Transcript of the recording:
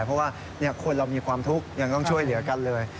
เพราะว่าคนเรามีความทุกข์ยังต้องช่วยเหลือกันเลย